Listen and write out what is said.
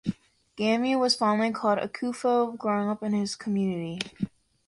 Gamey was fondly called Akufo growing up in his community.